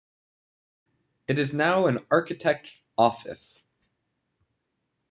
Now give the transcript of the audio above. It is now an architect's office.